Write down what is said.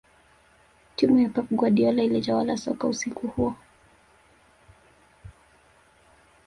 timu ya pep guardiola ilitawala soka usiku huo